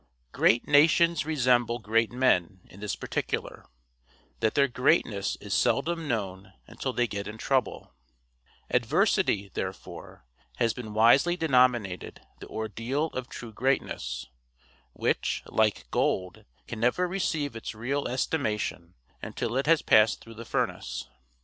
Great nations resemble great men in this particular, that their greatness is seldom known until they get in trouble; adversity, therefore, has been wisely denominated the ordeal of true greatness, which, like gold, can never receive its real estimation until it has passed through the furnace.